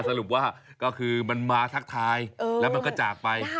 สรุปว่าก็คือมันมาทักทายแล้วมันก็จากไป